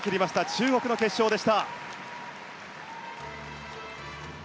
中国の決勝でした。